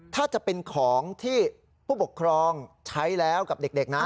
ถ้าจะเป็นของที่ผู้ปกครองใช้แล้วกับเด็กนะ